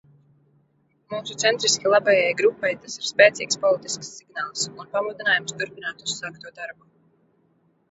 Mūsu centriski labējai grupai tas ir spēcīgs politisks signāls un pamudinājums turpināt uzsākto darbu.